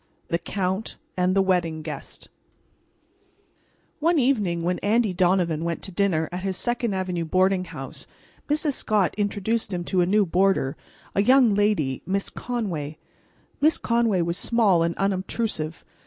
THE COUNT AND THE WEDDING GUEST One evening when Andy Donovan went to dinner at his Second Avenue boarding house, Mrs. Scott introduced him to a new boarder, a young lady, Miss Conway. Miss Conway was small and unobtrusive.